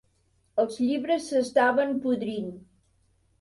Els llibres s'estaven podrint.